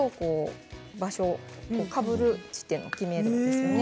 かぶる地点を決めるんですね。